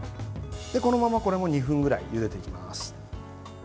このまま、これも２分ぐらいゆでていきます。